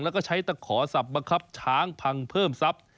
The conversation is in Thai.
แล้วก็ใช้ตะขอสับบังคับช้างพังเพิ่มทรัพย์